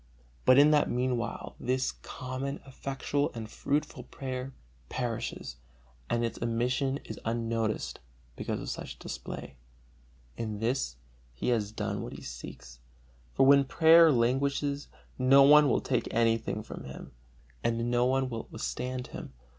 But in that meanwhile this common, effectual and fruitful prayer perishes and its omission is unnoticed because of such display, in this he has what he seeks. For when prayer languishes, no one will take anything from him, and no one will withstand him.